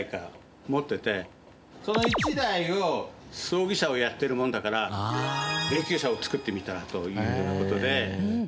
その１台を葬儀社をやってるもんだから霊柩車を造ってみたらというような事で。